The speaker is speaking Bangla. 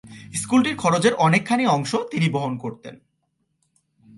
স্কুলটির খরচের অনেকখানি অংশ তিনি বহন করতেন।